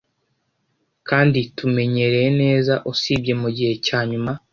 kandi tumenyereye neza usibye mugihe cyanyuma